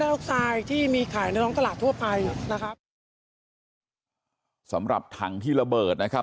ออกไซด์ที่มีขายในท้องตลาดทั่วไปนะครับสำหรับถังที่ระเบิดนะครับ